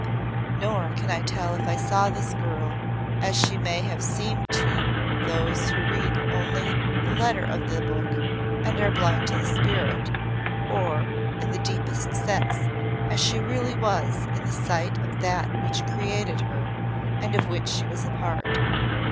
Nor can I tell if I saw this girl as she may have seemed to those who read only the letter of the book and are blind to its spirit, or in the deepest sense as she really was in the sight of That which created her and of which she was a part.